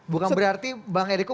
bukan berarti bang eriko